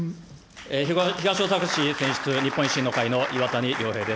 東大阪市選出、日本維新の会の岩谷良平です。